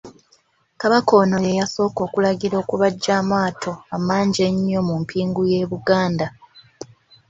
Kabaka ono ye yasooka okulagira okubajja amaato amangi ennyo mu mpingu y'e Buganda.